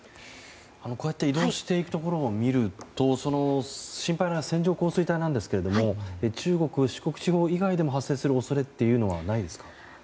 こうやって移動していくところを見ると心配な線状降水帯なんですが中国・四国地方以外でも発生する恐れはありませんか？